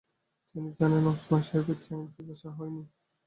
তিনি জানেন, ওসমান সাহেবের চায়ের পিপাসা হয় নি।